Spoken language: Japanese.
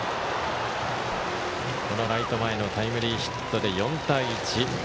ライト前のタイムリーヒットで４対１。